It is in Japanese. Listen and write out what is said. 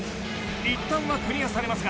いったんはクリアされますが。